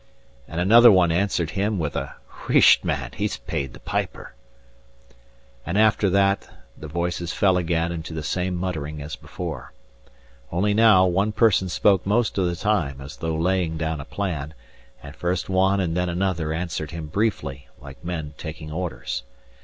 * Bungled. And another answered him with a "Wheesht, man! He's paid the piper." After that the voices fell again into the same muttering as before. Only now, one person spoke most of the time, as though laying down a plan, and first one and then another answered him briefly, like men taking orders.